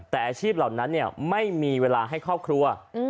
แต่อาชีพเหล่านั้นไม่มีเวลาให้ครอบครัว